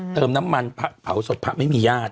เติมน้ำมันกับผ่าปกไม่มีญาติ